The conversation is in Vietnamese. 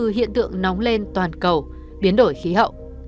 đến từ hiện tượng nóng lên toàn cầu biến đổi khí hậu